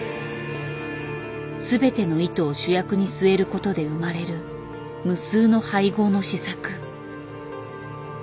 全ての糸を主役に据えることで生まれる無数の配合の試作。